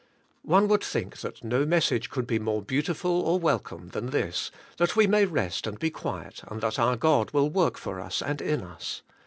One would think that no message could be more beautiful or welcome than this, that we may rest and be quiet, and that our God will work for us and in us.